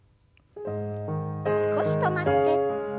少し止まって。